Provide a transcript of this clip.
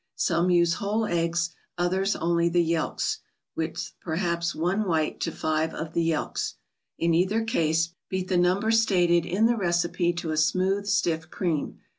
Some use whole eggs, others only the yelks, with perhaps one white to five of the yelks. In either case, beat the number stated in the recipe to a smooth, stiff cream.